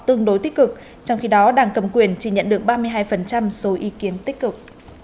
tương đối tích cực trong khi đó đảng cầm quyền chỉ nhận được ba mươi hai số ý kiến tích cực